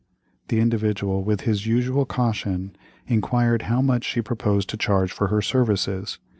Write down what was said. The Individual, with his usual caution, inquired how much she proposed to charge for her services.